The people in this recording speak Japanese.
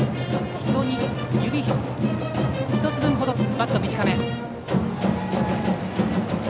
指１つ分ほど、バット短め。